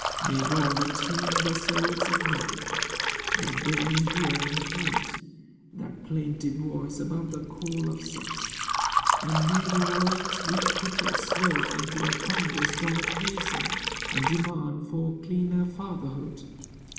(May God attune The souls of men, that they may hear and heed That plaintive voice above the call of sex; And may the world's weak protest swell into A thunderous diapason—a demand For cleaner fatherhood.)